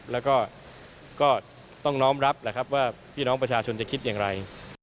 แล้วก็ก็ต้องน้อมรับแหละครับว่าพี่น้องประชาชนจะคิดอย่างไร